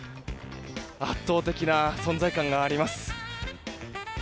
圧倒的な存在感があります。